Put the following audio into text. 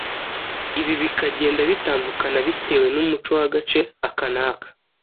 ibi bikagenda bitandukana bitewe n’umuco w’agace aka n’aka.